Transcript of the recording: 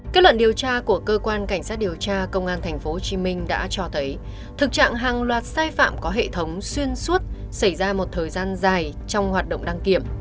kết luận điều tra của cơ quan cảnh sát điều tra công an tp hcm đã cho thấy thực trạng hàng loạt sai phạm có hệ thống xuyên suốt xảy ra một thời gian dài trong hoạt động đăng kiểm